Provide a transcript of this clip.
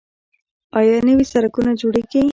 آیا نوي سرکونه جوړیږي؟